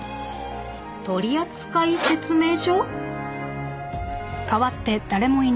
取扱説明書？